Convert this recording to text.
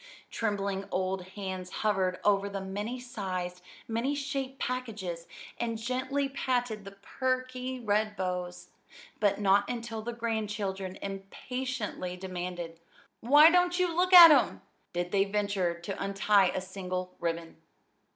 Trembling old hands hovered over the many sized, many shaped packages, and gently patted the perky red bows; but not until the grandchildren impatiently demanded, "Why don't you look at 'em?" did they venture to untie a single ribbon.